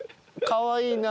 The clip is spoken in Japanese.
かわいいな。